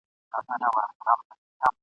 چي را ورسېدی نیسو یې موږ دواړه ..